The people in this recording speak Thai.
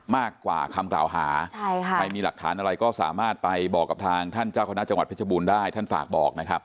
มากกว่าคำกล่าวหาใช่ค่ะใครมีหลักฐานอะไรก็สามารถไปบอกกับทางท่านเจ้าคณะจังหวัดเพชรบูรณ์ได้ท่านฝากบอกนะครับ